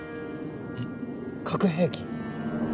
えっ核兵器？